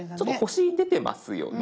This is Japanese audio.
星出てますよね。